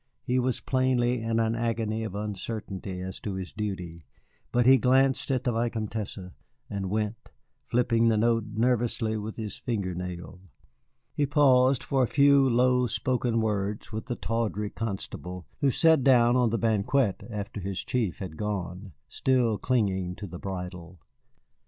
He was plainly in an agony of uncertainty as to his duty, but he glanced at the Vicomtesse and went, flipping the note nervously with his finger nail. He paused for a few low spoken words with the tawdry constable, who sat down on the banquette after his chief had gone, still clinging to the bridle.